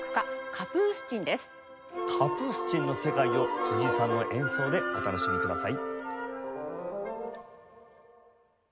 カプースチンの世界を辻井さんの演奏でお楽しみください。